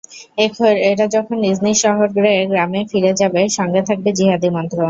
এরা যখন নিজ নিজ শহরে-গ্রামে ফিরে যাবে, সঙ্গে থাকবে জিহাদি মন্ত্র।